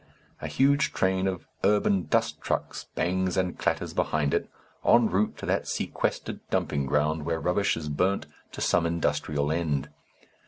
A huge train of urban dust trucks bangs and clatters behind it, en route to that sequestered dumping ground where rubbish is burnt to some industrial end.